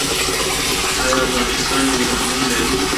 آیا افغانستان یورانیم لري؟